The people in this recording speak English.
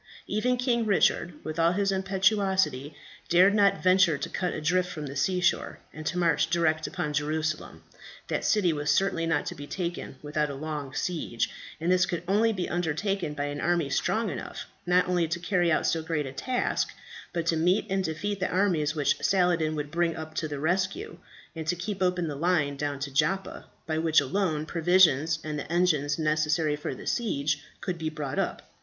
Even King Richard, with all his impetuosity, dared not venture to cut adrift from the seashore, and to march direct upon Jerusalem; that city was certainly not to be taken without a long siege, and this could only be undertaken by an army strong enough, not only to carry out so great a task, but to meet and defeat the armies which Saladin would bring up to the rescue, and to keep open the line down to Joppa, by which alone provisions, and the engines necessary for the siege, could be brought up.